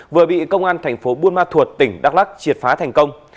vừa bị công an tp bunma thuộc tỉnh đắk lắc triệt phá thành công